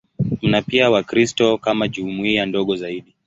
Kuna pia Wakristo kama jumuiya ndogo zaidi.